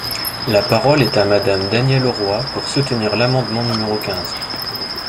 La parole est à Madame Danielle Auroi, pour soutenir l’amendement numéro quinze.